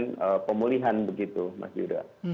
dan pemulihan begitu mas yuda